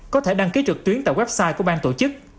có thể đăng ký trực tuyến tại website của bang tổ chức